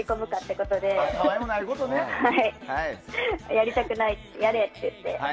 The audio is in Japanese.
やりたくない、やれって言って。